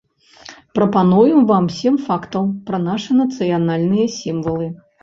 Прапануем вам сем фактаў пра нашы нацыянальныя сімвалы.